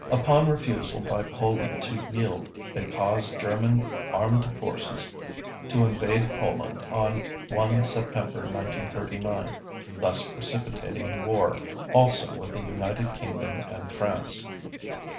Upon refusal by Poland to yield, they caused German armed forces to invade Poland on 1 September 1939, thus precipitating war also with the United Kingdom and France.